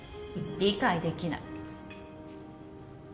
理解できない。